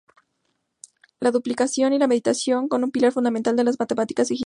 La duplicación y la mediación son un pilar fundamental de las matemáticas egipcias.